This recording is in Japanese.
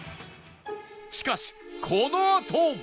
しかしこのあと